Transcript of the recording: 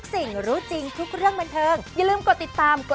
สีสีมันตก